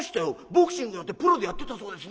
ボクシングやってプロでやってたそうですね。